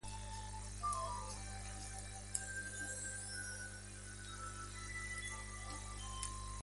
Acilio retiró su candidatura y la acusación nunca llegó a presentarse.